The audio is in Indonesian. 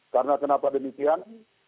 karena kenapa demikian